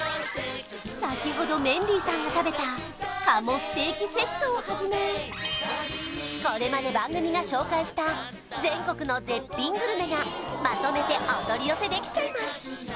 先ほどメンディーさんが食べた鴨ステーキセットをはじめこれまで番組が紹介した全国の絶品グルメがまとめてお取り寄せできちゃいます